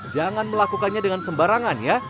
jangan melakukannya dengan sembarangan ya